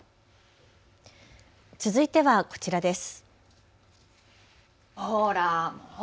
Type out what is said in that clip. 続いてはこちらです。